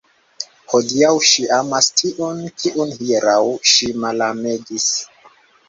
Hodiaŭ ŝi amas tiun, kiun hieraŭ ŝi malamegis!